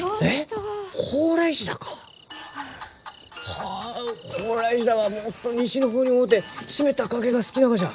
はあホウライシダはもっと西の方に多うて湿った崖が好きながじゃ！